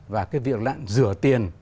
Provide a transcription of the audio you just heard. và cái việc rửa tiền